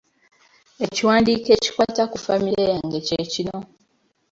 Ekiwandiiko ekikwata ku ffamire yange kye kino.